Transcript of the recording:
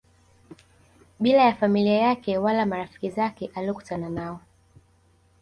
bila ya familia yake wala marafiki zake aliokutana nao